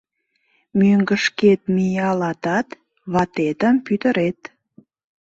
Мӧҥгышкет миялатат, ватетым пӱтырет: